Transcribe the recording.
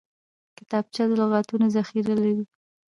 کتابچه د لغتونو ذخیره لري